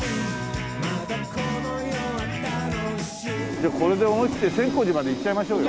じゃあこれで思いきって千光寺まで行っちゃいましょうよ。